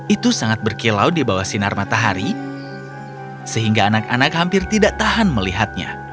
itu sangat berkilau di bawah sinar matahari sehingga anak anak hampir tidak tahan melihatnya